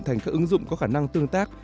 thành các ứng dụng có khả năng tương tác